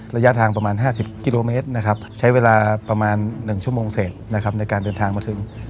ระยะทางประมาณ๕๐กิโลเมตรนะครับใช้เวลาประมาณ๑ชั่วโมงเศษนะครับในการเดินทางมาถึง